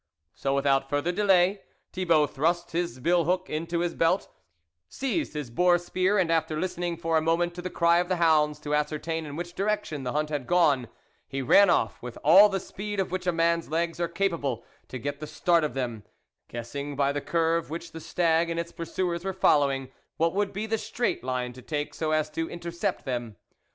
So without further delay, Thibault thrust his bill hook into his belt, seized his boar spear, and after listening for a mo ment to the cry of the hounds to ascertain in which direction the hunt had gone, he ran off with all the speed of which a man's legs are capable to get the start of them, guessing by the curve which the stag and its pursuers were following what would be the straight line to take so as to inter cept them.